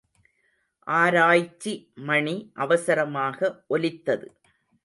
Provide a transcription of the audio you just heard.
ஆராய்ச்சி மணி அவசரமாக ஒலித்தது.